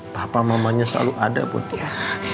papa mamanya selalu ada buat dia